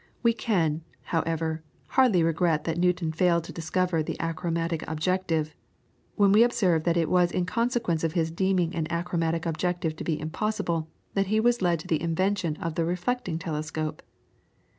We can, however, hardly regret that Newton failed to discover the achromatic objective, when we observe that it was in consequence of his deeming an achromatic objective to be impossible that he was led to the invention of the reflecting telescope.